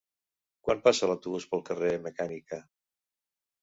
Quan passa l'autobús pel carrer Mecànica?